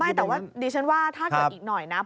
แต่ว่าดิฉันว่าถ้าเกิดอีกหน่อยนะ